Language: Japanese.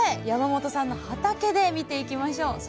山本さんの畑で見ていきましょう。